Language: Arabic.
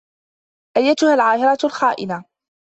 أيّتها العاهرة الخائنة!